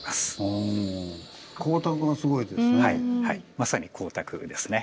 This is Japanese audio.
まさに光沢ですね。